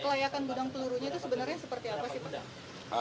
seluruhnya itu sebenarnya seperti apa sih pak